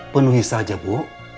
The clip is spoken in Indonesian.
penuhi saja bu